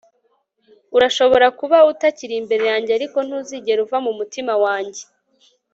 urashobora kuba utakiri imbere yanjye ariko ntuzigera uva mu mutima wanjye